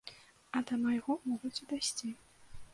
А да майго могуць і дайсці.